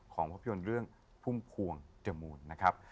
ของพระพิวนเรื่องภูมิภวงเดือมูลนะครับ